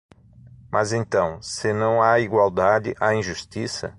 Mas então, se não há igualdade, há injustiça?